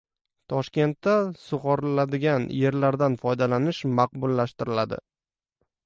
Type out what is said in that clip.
Toshkentda sug‘oriladigan yerlardan foydalanish maqbullashtiriladi